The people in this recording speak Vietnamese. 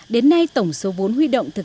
đến nay tổng số vốn huy động là một đồng